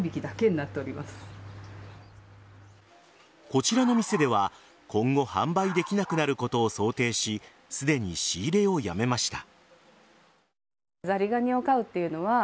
こちらの店では今後、販売できなくなることを想定しすでに仕入れをやめました。